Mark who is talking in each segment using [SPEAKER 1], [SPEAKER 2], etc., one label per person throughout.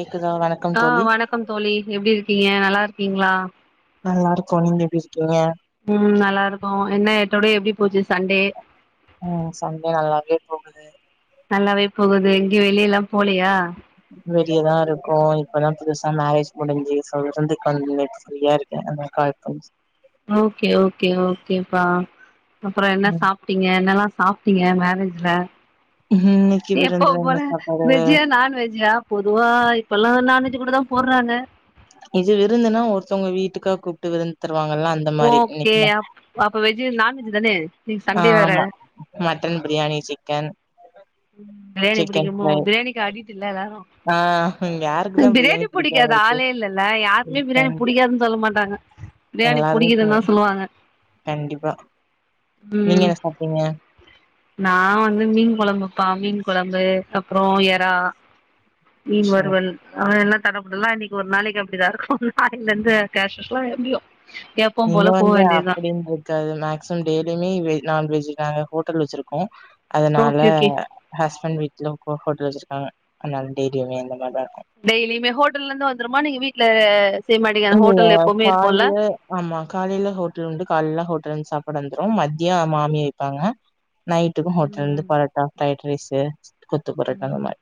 [SPEAKER 1] கேக்குதா வணக்கம்
[SPEAKER 2] ஆ
[SPEAKER 1] தோழி
[SPEAKER 2] வணக்கம் தோழி எப்டி இருக் கீங்க நல்லாருக்கீங்ளா
[SPEAKER 1] நல்லாருக்கோ நீங்க எப்டிருக்கீங்க
[SPEAKER 2] ம் நல்லாருக்கோம் என்ன எத்தோட எப்டி போச்சு சண்டே
[SPEAKER 1] ம் சண்டே நல்லாவே போகுது
[SPEAKER 2] நல்லாவே போகுது எங்கயு வெளியலா போலயா
[SPEAKER 1] வெளியதான் இருக்கோ இப்பதான் புதுசா மேரேஜ் முடிஞ்சு சொல்றதுக்கு வந்து ப்ரீயா இருக்கே அதா கால் பண்ணே
[SPEAKER 2] ஓகே ஓகே ஓகேப்பா அப்ற என்ன
[SPEAKER 1] ம்
[SPEAKER 2] சாப்டீங்க என்னெல்லா சாப்டீங்க மேரேஜ்ல
[SPEAKER 1] இன்னைக்கு விருந்துல
[SPEAKER 2] எப்பவும் போல
[SPEAKER 1] என்ன சாப்பாடு
[SPEAKER 2] வெஜ்ஜா நான்வெஜ்ஜா பொதுவா இப்பலா நா நான்வெஜ் கூட தான் போடுறாங்க
[SPEAKER 1] இது விருந்துனா ஒருத்தவங்க வீட்டுக்கா கூப்டு விருந்து தர
[SPEAKER 2] ஓகே அப் அப்ப வெஜ் நான்வெஜ் ஜு தானே இன்னைக்கு சண்டே வேற
[SPEAKER 1] ஆமா மட்டன் பிரியாணி சிக்கென்
[SPEAKER 2] பிரியாணி புடிக்குமோ பிரியாணிக்கு அடிட்டு இல்ல எல்லாரு
[SPEAKER 1] ஆ யாருக்குதா
[SPEAKER 2] பிரியாணி
[SPEAKER 1] பிடிக்காம
[SPEAKER 2] புடிக்காத
[SPEAKER 1] இருக்கு
[SPEAKER 2] ஆளே இல்லல்ல யாருமே பிரியாணி புடிக்காதுன் சொல்ல மாட்டாங்க பிரியாணி
[SPEAKER 1] எல்லாருமே
[SPEAKER 2] புடிக்குதுன்னு தா
[SPEAKER 1] வீட்ல
[SPEAKER 2] சொல்லுவாங்க
[SPEAKER 1] கண்டிப்பா நீங்க
[SPEAKER 2] ம்
[SPEAKER 1] என்ன சாப்டீங்க
[SPEAKER 2] நா வந்து மீன் கொழம்புப்பா மீன் கொழம்பு அப்றோ எறா மீன்
[SPEAKER 1] சரி
[SPEAKER 2] வறுவல் அவே எல்லா தடபுடலா இன்னிக்கு ஒரு நாளைக்கு அப்டிதாருக்கும் நாளேலருந்து கேஷுஸ்சுல்லா எப்டியு எப்பவு
[SPEAKER 1] இங்க
[SPEAKER 2] போல போ
[SPEAKER 1] வந்து
[SPEAKER 2] வேண்டியதுதா
[SPEAKER 1] அப்டினுருக்காது மேக்சிமம் டெய்லியுமே வெஜ் நான்வெஜ் நாங்க ஹோட்டல் வச்சுருக்கோம் அதுனால
[SPEAKER 2] ஓகே ஓகே
[SPEAKER 1] ஹஸ் பெண்ட் வீட்ல ஹோட்டல் வச்சுருக்காங்க அதுனால டெய்லிமே அந்த மாரி தாருக்கு
[SPEAKER 2] டெய்லியுமே ஹோட்டல்ல இருந்து வந்துருமா நீங்க வீட்ல செய்ய மாட்டீங்க அந்த
[SPEAKER 1] இல்ல
[SPEAKER 2] ஹோட்டல் எப்பவுமே இருக்குல்ல
[SPEAKER 1] காலேல ஆமா காலேல ஹோட்டல் உண்டு கால்ல ஹோட் டலருந்து சாப்பாடு வந்துரும் மதியம் மாமி வைப்பாங்க நைட்டுக்கு ஹோட்டல்ல
[SPEAKER 2] ம்
[SPEAKER 1] இருந்து பரோட்டா ப்ரை ரைஸு கொத்து பரோட்டா அந்த
[SPEAKER 2] ம்
[SPEAKER 1] மாரி.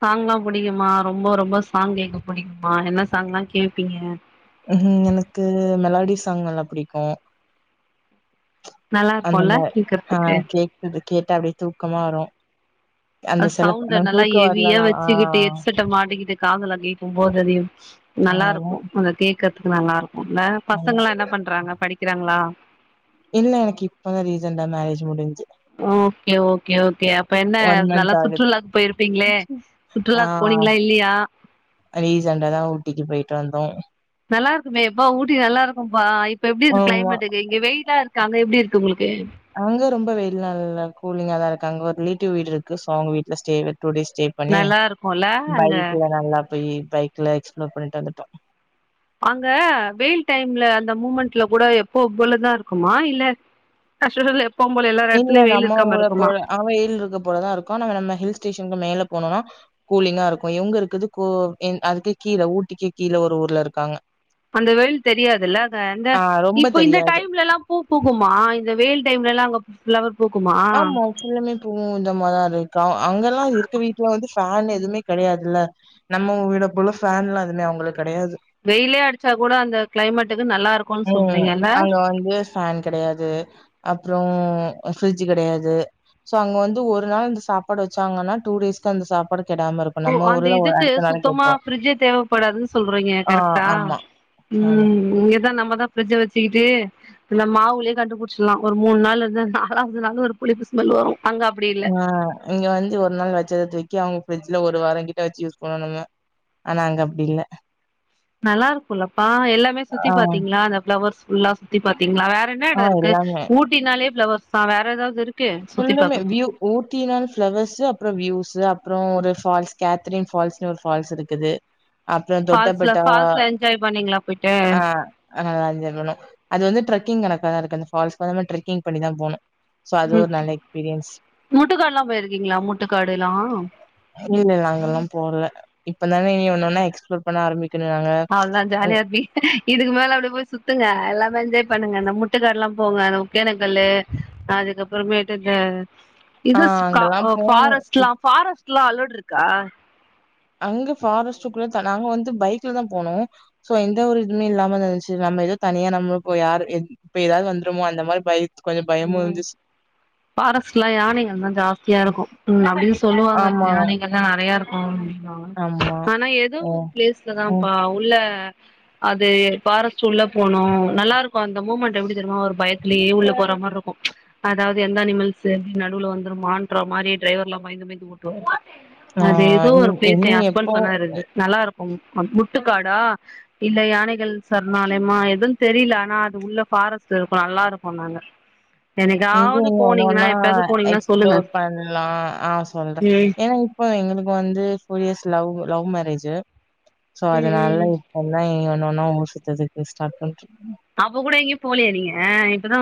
[SPEAKER 2] சாங்ல்லா புடிக்குமா ரொம்ப ரொம்ப சாங் கேக்க புடிக்குமா என்ன சாங்லா கேப்பீங்க
[SPEAKER 1] ஹும் எனக்கு மெலாடி சாங் எல்லா புடிக்கும்
[SPEAKER 2] நல்லா
[SPEAKER 1] அந்த
[SPEAKER 2] இருக்குல்ல
[SPEAKER 1] மாரி ஆ
[SPEAKER 2] கேக்குறதுக்கு
[SPEAKER 1] கேக்குது கேட்டா அப்டியே தூக்கமா வரும் அந்த சில
[SPEAKER 2] சவுண்ட
[SPEAKER 1] நம்ம
[SPEAKER 2] நல்லா
[SPEAKER 1] தூக்கம்
[SPEAKER 2] ஹெவியா
[SPEAKER 1] வரலனாலும் ஆ
[SPEAKER 2] வச்சுக்கிட்டு எட்செட்ட மாட்டிக்கிட்டு காதுல கேக்கும் போது அது எது
[SPEAKER 1] ஆமா,
[SPEAKER 2] நல்லாருக்கும் அந்த கேக்றதுக்கு நல்லா இருக்கும் இல்ல
[SPEAKER 1] ஆமா.
[SPEAKER 2] பசங்கல்லா என்ன பண்றாங்க படிக்கிறாங்ளா
[SPEAKER 1] இல்ல எனக்கு இப்பதான் ரீஜன்டா மேரேஜ் முடிஞ்
[SPEAKER 2] ஓகே ஓகே ஓகே அப்ப என்ன
[SPEAKER 1] ஒன்
[SPEAKER 2] நல்லா
[SPEAKER 1] மந்த் ஆகுது
[SPEAKER 2] சுற்றுலாக்கு போயிருப்பீங்ளே
[SPEAKER 1] ஆ
[SPEAKER 2] சுற்றுலாக்கு போனீங்களா இல்லியா
[SPEAKER 1] டாந்தோம்
[SPEAKER 2] நல்லாருக்குமே எப்பா ஊட்டி நல்லாருக்கும்பா இப்ப எப்டி இருக்கு
[SPEAKER 1] ஆமா
[SPEAKER 2] கிளைமேட்க்கு இங்க வெயிலா இருக்கு அங்க எப்டி இருக்கு உங்களுக்கு
[SPEAKER 1] அங்க ரொம்ப வெயில்லா இல்ல கூலிங்கா தாருக்கு அங்க ஒரு ரிலேட்டிவ் வீடு இருக்கு சோ அவுங்க வீட்ல ஸ்டே டூ டே ஸ்டே பண்ணி
[SPEAKER 2] நல்லா இருக்கும்ல அங்க
[SPEAKER 1] பைக்ல நல்லா போயி பைக்ல எக்ஸ் புளோர் பண்ணிட்டு வந்துட்டோம்
[SPEAKER 2] அங்க வெயில் டைம்ல அந்த மூமெண் ட்ல கூட எப்போலதா இருக்குமா இல்ல [unintelligible]
[SPEAKER 1] இல்ல
[SPEAKER 2] எடத்துலயு வெயில்
[SPEAKER 1] நம்ம
[SPEAKER 2] இருக்காம
[SPEAKER 1] ஊல
[SPEAKER 2] இருக்குமா
[SPEAKER 1] போ அவய இருக்க போலதா இருக்கு ஆனா நம்ம நம்ம ஹில் ஸ்டேஷனுக்கு மேல போனோனா கூலிங்கா இருக்கு இவுங்க இருக்குது கோ என் அதுக்கு கீழே ஊட்டிக்கே கீழே ஒரு ஊர்ல இருக்காங்க
[SPEAKER 2] அந்த வெயில் தெரியாதுல்ல அங்க இந்த
[SPEAKER 1] ஆ ரொம்ப
[SPEAKER 2] இப்ப இந்த
[SPEAKER 1] தெரியாது
[SPEAKER 2] டைம்ல எல்லா பூ பூகுமா இந்த வெயில் டைம்ல எல்லா அங்க ஃபுல்லாவ
[SPEAKER 1] ஆமா ஃபுல்லாமே போகும் இந்த மாரிதா இருக்கு அங்க எல்லா இருக்க வீட்டுல வந்து ஃபேன் எதுவுமே கிடையாதுல்ல நம்மங்க வீட போல ஃபேன்ல்லா எதுமே அவுங்களுக்
[SPEAKER 2] வெயிலே அடிச்சா கூட அந்த கிளைமேட்டுக்கு நல்லா இருக்குன்னு
[SPEAKER 1] ம்.
[SPEAKER 2] சொல்றீங்கல்ல
[SPEAKER 1] அப்புறோ பிரஃட்ஜ் கெடையாது சோ அங்க வந்து ஒரு நாள் இந்த சாப்பாடு வச்சாங்கன்னா டூ டேஸ்க்கு அந்த சாப்பாடு கெடாம இருக்கும்.
[SPEAKER 2] ஓ
[SPEAKER 1] நம்ம
[SPEAKER 2] அந்த
[SPEAKER 1] ஊர்ல ஒரு
[SPEAKER 2] இதுக்கு
[SPEAKER 1] அடுத்த நாள்
[SPEAKER 2] சுத்தமா
[SPEAKER 1] கெட்டுரும்.
[SPEAKER 2] ஃபிரிட்ஜு தேவைப்படாதுன்னு சொல்றீங்க
[SPEAKER 1] ஆ
[SPEAKER 2] கரெக்டா
[SPEAKER 1] ஆமா, ஆமா.
[SPEAKER 2] ம் இங்கதா நம்ம தா ஃபிரிட்ஜை வச்சிக்கிட்டு இந்த மாவுலேயே கண்டுபுடிச்சிலா ஒரு மூணு நாள் இருந்து நாலாவது நாளு ஒரு புளிப்பு ஸ்மெல் வரு அங்க அப்டி இல்ல
[SPEAKER 1] ஆ இங்க வந்து ஒரு நாள் வச்சத தூக்கி வக்கி அவுங்க ஃபிரிட்ஜ்ல ஒரு வாரோ கிட்ட வச்சி யூஸ் பண்ணனுங்க ஆனா அங்க அப்பிடி இல்ல
[SPEAKER 2] நல்லா இருக்குல்லப்பா எல்லாமே சுத்தி
[SPEAKER 1] ஆ,
[SPEAKER 2] பாத்தீங்களா அந்த பிளவர்ஸ் இன்னாஷ் த்தி பாத்தீங்களா வேற என்ன
[SPEAKER 1] ஆ
[SPEAKER 2] எடோ இருக்கு
[SPEAKER 1] எல்லாமே.
[SPEAKER 2] ஊட்டினாலே பிலோவேர்ஷ்தா வேற ஏதாவது இருக்
[SPEAKER 1] ஃபுல்லுமே வியூ ஊட்டினாள் பிளவர்ஸ் அப்புறோ வியூஸ் ஷ் அப்புறோ ஒரு ஃபால்ஸ் கேத்தரின் பால்ஸ்ன்னு ஒரு ஃபால்ஸ் இருக்குது அப்புறோ
[SPEAKER 2] ஃபால்ஸ்ல
[SPEAKER 1] தொட்டப்பட்டா
[SPEAKER 2] ஃபால்ஸ்ல என்ஜாய் பண்ணீங்களா போயிட்டு
[SPEAKER 1] ஆ ஆனா அதுகுனு அது வந்து ட்ரக்கி்ங் கணக்காதா இருக்கு அ ஃபால்ஸ்க வ ட்ரக்கிங் பண்ணதா போனு
[SPEAKER 2] அ முட்டுக்காடுல்லா போயிருக்கீங்களா முட்டுக்காடுல்லா
[SPEAKER 1] இல்ல இல்ல அங்கெல்லாம் போல. இப்ப தான நீ ஒன்னன எஸ்பளோர் பண்ண ஆரம்
[SPEAKER 2] அவல்தா ஜாலியா இருப்பி இதுக்கு மேல அப்பிடி போய் சுத்துங்க எல்லா வ என்ஜாய் பண்ணுங்க அந்த முட்டுல்லா போங்க அந்த உக்கேனக்கல்லு அதுக்கப்புறமேட்டுக
[SPEAKER 1] ஆ
[SPEAKER 2] இது
[SPEAKER 1] அங்கெல்லாம்
[SPEAKER 2] க
[SPEAKER 1] போணும்.
[SPEAKER 2] ஃபாரஸ்ட்ல்லா ஃபாரஸ்ட் க்லா அளோடு இருக்கா
[SPEAKER 1] அங்க ஃபாரஸ்டுக்குள்ளத நாங்க வந்து பைக்ல தா போனோ சோ எந்த ஒரு இதுவுமே இல்லாம தா இருந்ச்சி நம்ம ஏதோ தனியா நம்மளுக்கு யாரு ஏதாவது வந்துருமோ அந்த மாரி பை
[SPEAKER 2] உம் பாரஸ்ட்லா யானைகள் தா ஜாஸ்தியா இருக்கு உம் அப்டின்னு சொல்லுவாங்க
[SPEAKER 1] ஆமா,
[SPEAKER 2] யானைகள்லா நெறய இருக்கு ம்
[SPEAKER 1] ஆமா.
[SPEAKER 2] ஆனா ஏதோ ஒரு
[SPEAKER 1] ம், ம்.
[SPEAKER 2] பிளேஸ்லதாப்பா உள்ள அது ஃபாரஸ்டு உள்ள போனு நல்லா இருக்கு அந்த மூமெண்ட் எப்டி தெரியமோ ஒரு பயத்திலயே உள்ள போற மாரி இருக்கு அதாவது எந்த அனிமல்ஸு எப்ப நடுவுல வந்துரு மாற்ற மாரி டிரைவர் எல்லா பயந்து பயந்து ஓட்டுவ
[SPEAKER 1] ஆ
[SPEAKER 2] அது ஏதோ ஒரு
[SPEAKER 1] இன்
[SPEAKER 2] பிளேஸ்
[SPEAKER 1] இனி
[SPEAKER 2] எ
[SPEAKER 1] எப்போ
[SPEAKER 2] ஹஸ்பண்ட் சொன்னாரு நல்லா இருக்கு முட்டுக்காடா இல்ல யானைகள் சரணாலயமா எதுன்னு தெரியல ஆனா அது உள்ள ஃபாரஸ்ட் இருக்கு நல்லா இருக்கு நாங்க
[SPEAKER 1] இங்கங்க ஒன்ன ஒன்னா
[SPEAKER 2] போனீங்கன்னா சொல்லுங்க
[SPEAKER 1] எக்ஸ்ப்ளோர் பண்ணலா ஆ சொல்றே
[SPEAKER 2] ம்
[SPEAKER 1] ஏன்னா இப்போ எங்களுக்கு வந்து two years love love marriage so
[SPEAKER 2] ம் ம்
[SPEAKER 1] அதனாலா இது பண்ணா ஒன்ன ஊர் சுத்தரதுக்கு ஸ்டார்ட் பண்
[SPEAKER 2] அப்ப கூட எங்கேயு போலியா நீங்க இப்பதா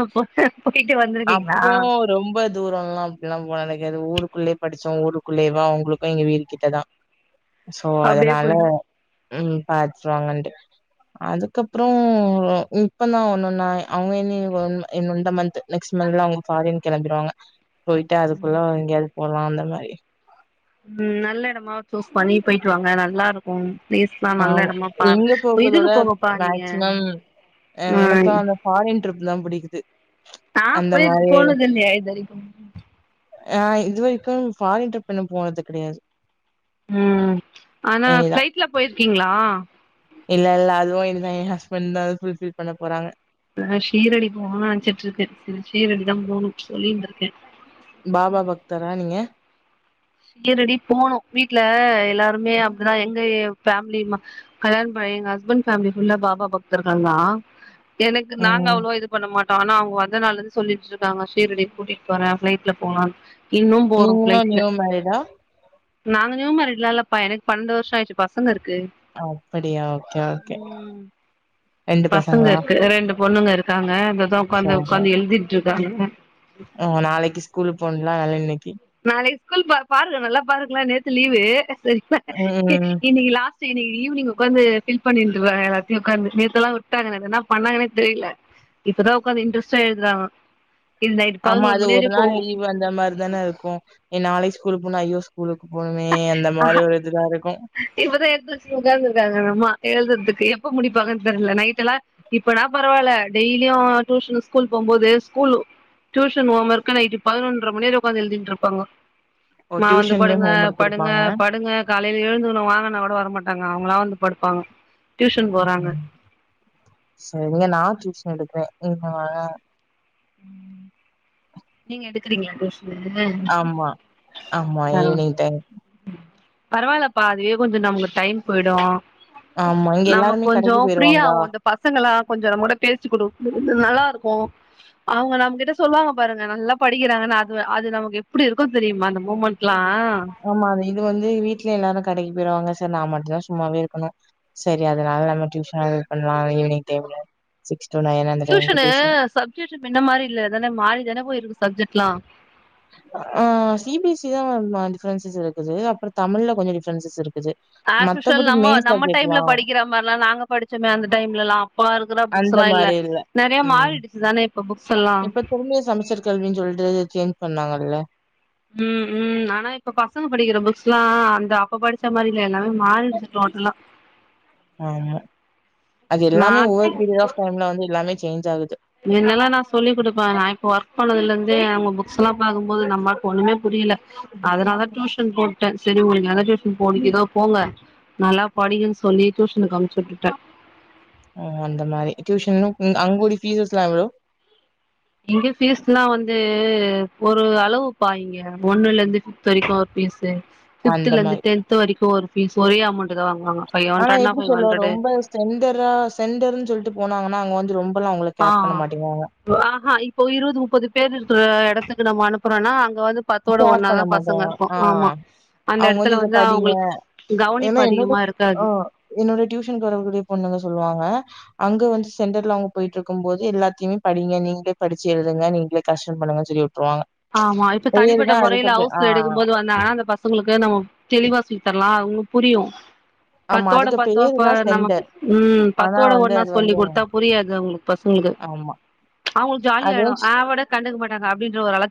[SPEAKER 2] போயிட்டு வந்திருக்கீங்களா
[SPEAKER 1] அப்போ ரொம்ப தூர எல்லா அப்படிலா போல நினைக்கு எதாவது ஊருக்குள்ளயே படிச்சோ ஊருக்குள்ளயேவா அவுங்களுக்கு இங்க வீட்டு கிட்டதா சோ
[SPEAKER 2] அப்டியே
[SPEAKER 1] அதனால
[SPEAKER 2] போயிடு
[SPEAKER 1] உம் பாத்துருவாங்கன்ட்டு அதுக்கப்றோ இப்பதா ஒன்னொன்னா அவுங்க இன என் இந்த மந்த்த் நெக்ஸ்ட் மந்த்லா அவுங்க ஃபாரின் கெளம்பிருவாங்க போயிட்டு அதுக்குள்ள எங்கயாவது போலா அந்த மாரி உ
[SPEAKER 2] உம் நல்ல இடமா சூஸ் பண்ணி போயிட்டு வாங்க நல்லா இருக்கு பேஸ்ல நல்ல
[SPEAKER 1] ஆமா.
[SPEAKER 2] இடமா
[SPEAKER 1] எங்க
[SPEAKER 2] பாருப்ப இதுக்கு
[SPEAKER 1] போகதோட
[SPEAKER 2] போங்கப்பா நீங்க
[SPEAKER 1] மேக்ஸிமம் அ
[SPEAKER 2] ஆ
[SPEAKER 1] எனக்குலாம் அந்த ஃபாரின் ட்ரிப் தான் பிடிக்குது.
[SPEAKER 2] ஆ
[SPEAKER 1] அந்த
[SPEAKER 2] போயிரு
[SPEAKER 1] மாரி
[SPEAKER 2] போனது இல்லயே இதுவரைக்கு
[SPEAKER 1] ஆ இது வரைக்கு ஃபாரின் ட்ரிப் இன்னு போனது கெடயாது
[SPEAKER 2] ம் ஆன ஃப்ளைட்ல போயிருக்கீங்ளா
[SPEAKER 1] இல்ல இல்ல அதுவு எ ஹஸ்பண்டு தா அத ஃபுல்ஃபில் பண்ண போறாங்க
[SPEAKER 2] ஆ ஷீரடி போகனு நெனச்சிட்டு இருக்கே சீரடிதா போனு
[SPEAKER 1] பாபா பக்தரா நீங்க
[SPEAKER 2] ஷிரடி போனு வீட்ல எல்லாருமே அப்டிதா எங்க பேமிலி கல்யாண ப எங்க ஹஸ்பண்ட் ஃமேலி புல்ல பாபா பக்தர்கள் தா எனக்கு நாங்க
[SPEAKER 1] ம்.
[SPEAKER 2] அவ்வளவா இது பண்ண மாட்டோம் ஆனா அவங்க வந்தனால இருந்து சொல்லிட்டு இருக்காங்க ஷீரடி கூட்டிட்டு போறேன் பிளைட்ல போகலான்னு
[SPEAKER 1] நீங்களும் நியூ மேரிட் ஆ
[SPEAKER 2] நாங்க நியூ மாறிடலாம்லப்பா எனக்கு பன்னெண்டு வருஷம் ஆயிடுச்சு பசங்க இருக்கு
[SPEAKER 1] அப்படியா ஓகே ஓகே
[SPEAKER 2] ம் பசங்க
[SPEAKER 1] பசங்களா?
[SPEAKER 2] இருக்கு ரெண்டு பொண்ணுங்க இருக்கு நாங்க இங்கதான் உட்காந்து
[SPEAKER 1] சரி.
[SPEAKER 2] உட்காந்து எழுதிட்டு இருக்கு வந்து
[SPEAKER 1] ஓ நாளைக்கு ஸ்கூல் போனும் நாளைக்கி
[SPEAKER 2] நாளைக்கு ஸ்கூல் பாரு நல்லா பாரு நேத்து லீவு சரிப்பா
[SPEAKER 1] ம்.
[SPEAKER 2] இன்னைக்கு லாஸ்ட் செரி ஈவினி்ங் உட்காந்து பில் பண்ணிட்டு இருக்காங்க எல்லாத்தையும் ஓக்காந்து நேத்தல்லாம் விட்டாங்க என்ன பண்ணாங்கன்னே தெரியல இப்பதான் உக்காந்து இன்டரெஸ்டா எழுதுறாங்க இது நைட்
[SPEAKER 1] ஆமா
[SPEAKER 2] பதினோரு
[SPEAKER 1] அது
[SPEAKER 2] மணி
[SPEAKER 1] ஒரு
[SPEAKER 2] வரையு
[SPEAKER 1] நாள் லீவ் அந்த மாதிரி தானே இருக்கும் என் நாளை ஸ்கூல் போன ஐயோ ஸ்கூல் போனுமே அந்த
[SPEAKER 2] போவு
[SPEAKER 1] மாதிரி ஒரு இதுலாம் இருக்கும்
[SPEAKER 2] இப்பதான் எடுத்து வச்சுட்டு உட்கார்ந்து இருக்காங்க அந்தம்மா எழுதுறதுக்கு எப்ப முடிப்ப நைட் எல்லாம் இப்ப தான் பரவாயில்ல டெய்லியும் டுயூஷன்ல் ஸ்கூல் போகும்போது school tuition homework night பதினொன்றரை மணி வரை உட்காந்து எழுதிட்டு இருப்பாங்க
[SPEAKER 1] ஓ
[SPEAKER 2] நான் வந்து
[SPEAKER 1] டியூஷன்லயு
[SPEAKER 2] படுங்க
[SPEAKER 1] ஹோம் ஒர்க்
[SPEAKER 2] படுங்க
[SPEAKER 1] குடுப்பாங்க
[SPEAKER 2] படுங்க காலை ம் ம் வாங்கனா கூட வரமாட்டாங்க அவங்கள வந்து படுப்பாங்க டியூஷன் போறாங்க
[SPEAKER 1] செரிங்க நான் டியூஷன் எடுக்கிறேன் ஆ
[SPEAKER 2] நீங்க எடுக்கறீங்க
[SPEAKER 1] ஆமா ஆமா ஈவினிங் டைம்
[SPEAKER 2] பரவால்லப்பா அதுவே கொஞ்சம் நமக்கு டைம் போய்டும்
[SPEAKER 1] ஆமா இங்க
[SPEAKER 2] நமக்கு
[SPEAKER 1] எல்லாருமே கடைக்கு
[SPEAKER 2] கொஞ்சம்
[SPEAKER 1] போயிருவாங்களா
[SPEAKER 2] ஃப்ரீயாவும் இந்த பசங்களால கொஞ்சம் நம்மோட பேசிக்குடுக் நல்லா இருக்கும் அவுங்க நம்ம கிட்ட சொல்வாங்க பாருங்க நல்லா படிக்கிறாங்கனு அது அது நமக்கு எப்டி இருக்கு தெரியுமா அந்த மூமெண்ட்லா
[SPEAKER 1] ஆமா இது வந்து வீட்ல எல்லாரு கடைக் போய்ருவாங்க சர் நா மட்டுதா சும்மாவே இருக்கணு சரி அதனால நம்ம டியூஷனாலு இது பண்ணலா ஈவினிங்டைமு சிக்ஸ் டு நைன் அந்த டைம்க்கு
[SPEAKER 2] டியூஷனு
[SPEAKER 1] டியூஷன்
[SPEAKER 2] சப்ஜெஸ்சு மின்ன மாரி இல்ல இதல மாரிதானே போய்ருக்கு சப்ஜெக்ட்லா
[SPEAKER 1] ஆ சி பி எஸ் சி தா [unintelligible] டிஃப்ரன்ஸஸ் இருக்குது அப்புறோ தமிழ்ல கொஞ்ச டிஃப்ரென்சஸ் இருக்
[SPEAKER 2] ஆ சுஷல் நம்ம நம்ம டைம்ல படிக்கற மார்லா நாங்க படிச்சோமே அந்த டைம்லலா அப்பா இருக்குற
[SPEAKER 1] அந்த
[SPEAKER 2] புக்ஸ்லா இல்ல
[SPEAKER 1] மாரி
[SPEAKER 2] நறயா
[SPEAKER 1] ம்.
[SPEAKER 2] மாறிடுச்சுதானே
[SPEAKER 1] இப்ப திரும்பியு சமச்சீர் கல்வி சொல்ட்டு சேஞ் சொன்னாங்கல்ல
[SPEAKER 2] உ உ ஆனா இப்ப பசங்க படிக்கற புக்ஸ்லா அந்த அப்ப படிச்ச மாரி இல்ல எல்லாமே மாறிடுச்சு டோட்டலா
[SPEAKER 1] ஆமா அது எல்லாமே
[SPEAKER 2] நா
[SPEAKER 1] ஒவ்வொரு பீரியட் ஆஃப் டைம்ல வந்து எல்லாமே சேஞ் ஆகது
[SPEAKER 2] முன்னெல்லா நா சொல்லி் க்ஸ்லா பாக்குபோது நம்மாக்கு ஒன்னுமே புரில அதனால டியூஷன் போட்ட சே ஒரு நல்ல டியுசன் போவிட்டிதா போங்க நல்லா படிங்கன் சொல்லி டியூஷனுக்கு அம்ச்சுட்டுட்ட
[SPEAKER 1] ஓ அந்த மாரி டியூஷன் அங்குடி ஃபீஸ்சஸ்லா எவ்ளோ
[SPEAKER 2] இங்க ஃபீஸ்லா வந்து ஒரு அளவுப்பா இங்க ஒன்னுலந்து ஃபிஃப்த் வரிக்கு ஒரு ஃபீஸு
[SPEAKER 1] அந்த
[SPEAKER 2] ஃபிஃப்துலந்து
[SPEAKER 1] மாரி.
[SPEAKER 2] டென்த் வரிக்கு ஒரு ஃபீஸ் ஒரே அமௌண்ட்தா வாங்குவாங்க ஃபைவ்
[SPEAKER 1] ஆனா
[SPEAKER 2] ஹண்ட்ரட்னா
[SPEAKER 1] எப்டி
[SPEAKER 2] ஃபைவ்
[SPEAKER 1] சொல்லுவ
[SPEAKER 2] ஹண்ட்ரடு
[SPEAKER 1] ரொம்ப சென்டரா சென்டர்ன் சொல்ட்டு போனாங்கனா அங்க வந்து ரொம்
[SPEAKER 2] ஆ ஆஹா இப்போ இருவது முப்பது பேரு இருக்கற எடத்த நம்ம அனுப்புறனா
[SPEAKER 1] ஷேர் பண்ண மாட்டேங்க ஆ
[SPEAKER 2] ஆமா அந்த
[SPEAKER 1] அவுங்க வந்து
[SPEAKER 2] எடத்துல
[SPEAKER 1] இத படிங்க
[SPEAKER 2] அவுங்களுக்கு கவனிப்பு
[SPEAKER 1] ஏனா என்னோட
[SPEAKER 2] அதிகமா
[SPEAKER 1] ஓ
[SPEAKER 2] இருக்காது
[SPEAKER 1] என்னோட டியூஷனுக்கு வர கூடிய பொண்ணுங்க சொல்வாங்க அங்க வந்து சென்டர்ல அவுங்க போய்ட்டுருக்குபோது எல்லாத்தையுமே படிங்க நீங்களே படிச்சு எழுதுங்க நீங்களே கரெக்ஷன் பண்ணுங்க சொல்லி வுட்ருவாங்க
[SPEAKER 2] ஆமா த்த தனிப்பட்ட மொறையில ஹவுஸ்ல எடுக்கும்போது வந்தா அந்த பசங்களுக்கு நம்ம தெளிவா சொல்லி தர்லா அவ்களு புரியு
[SPEAKER 1] ஆமா.
[SPEAKER 2] பத்தோட
[SPEAKER 1] அதுக்கு
[SPEAKER 2] பத்தோ
[SPEAKER 1] பேரு
[SPEAKER 2] இப்ப
[SPEAKER 1] தான்
[SPEAKER 2] நம்ம
[SPEAKER 1] சென்டர்.
[SPEAKER 2] உ
[SPEAKER 1] ஆனா
[SPEAKER 2] பத்தோட
[SPEAKER 1] வந்து
[SPEAKER 2] ஒன்னா
[SPEAKER 1] அது
[SPEAKER 2] சொல்லி
[SPEAKER 1] வந்து
[SPEAKER 2] குடுத்தா புரியாது அவுங்களுக்கு பஸ்ங்களுக்கு
[SPEAKER 1] ஆமா.
[SPEAKER 2] அவுங்களுக் ஜாலியாய்டு
[SPEAKER 1] அதுவும் ஸ்
[SPEAKER 2] ஆவுடு கண்டுக்க மாட்டாங்க அப்டின்ற ஒரு அள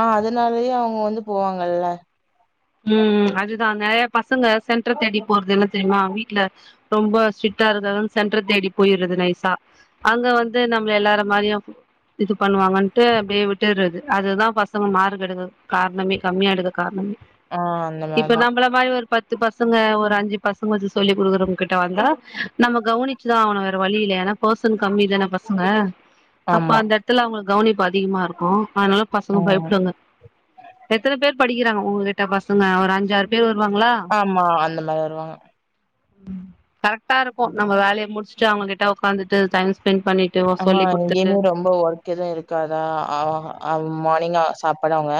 [SPEAKER 1] ஆ அதனாலயே அவுங்க வந்து போவாங்க வல்ல
[SPEAKER 2] உ அதுதா நறய பசங்க சென்டர தேடி போறது என்ன தெரியுமா வீட்ல ரொம்ப ஸ்ரிக்டா இருக்காங்க சென்டர தேடி போய்றது நைசா அங்க வந்து நம்ள எல்லார மாரியு இது பண்ணுவாங்கன்ட்டு அப்டே விட்டுறது அதுதா பசங்க மாருக்கு எடுக்க கார்ணமே கம்மியா எடுக்க கார்ணமே
[SPEAKER 1] ஆ அந்த மாரி
[SPEAKER 2] இப்ப
[SPEAKER 1] தான்.
[SPEAKER 2] நம்பள மாரி ஒரு பத் பத்து பசங்க ஒரு அஞ்சு பசங்க வச்சு சொல்லி் கொடுக்குறவங்க கிட்ட வந்தா நம்ம கவனிச்சுதா அவனு வேற வழி இல்ல ஏனா பர்சன் கம்மி தான பசங்க அப்ப
[SPEAKER 1] ஆமா.
[SPEAKER 2] அந்த எத்துல அவுங்களு கவனிப்பு அதிகமா இருக்கோ அதனால பசங்க
[SPEAKER 1] ம்.
[SPEAKER 2] பயப்புடுவங்க எத்தன பேர் படி டிகிறாங்க உங்ககிட் ட பசங்க ஒரு அஞ்சாறு பேர் வ
[SPEAKER 1] ஆமா அந்த மாரி வருவாங்க
[SPEAKER 2] ம் கரெக்டா இருக்கு நம்ம வேலைய முடுச் சு அவுங்க கிட்ட உக்காந்துட்டு டைம் ஸ்பெண்ட் பண்ணிட்டு
[SPEAKER 1] ஆமா
[SPEAKER 2] சொல்லி குடுத்துட்டு
[SPEAKER 1] இங்யுமே ரொம்ப ஒர்க் எது இருக்காதா ஆ அம் மார்னிங் அ சாப்பாடு அவுங்க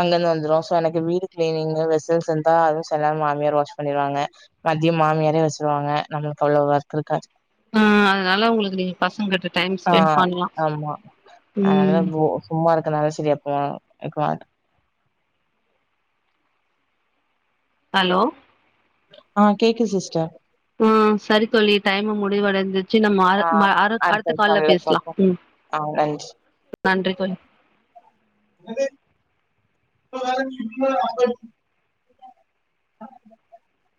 [SPEAKER 1] அங்கந்து வந்துரு சோ எனக்கு வீடு கிளீனிங்கு வெசில்ஸ் இருந்தா அதுவு சாந்தாரொ மாமியார் வாஷ் பண்ணிருவாங்க மதியம் மாமியாரே வச்சிருவாங்க நம்ளுக் அவ்ளொ ஒர்க் இருக்காது
[SPEAKER 2] ஆ அதுனால உங்களுக்கு நீங்க பசங்கிட்ட
[SPEAKER 1] ஆ ஆமா அதுனால
[SPEAKER 2] ம்
[SPEAKER 1] பொ சும்மா இருக்கனாலயாச்சு இது எப்போ ரெக்காட்
[SPEAKER 2] ஹலோ
[SPEAKER 1] ஆ கேக்கு சிஸ்டர்
[SPEAKER 2] ஆ சரி தோழி டைமு முடிவடஞ்சு ச்சு நம்ம அ
[SPEAKER 1] ஆ
[SPEAKER 2] ம‌ அர அடுத்த கால்ல பேசுலா ம்
[SPEAKER 1] ஆ
[SPEAKER 2] நன்றி தோழி
[SPEAKER 1] [unintelligible]